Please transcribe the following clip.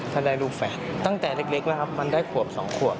ถ้าได้ลูกแฝดตั้งแต่เล็กแล้วครับมันได้ขวบ๒ขวบ